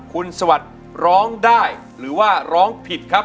คุณสวัสดิ์ร้องได้หรือว่าร้องผิดครับ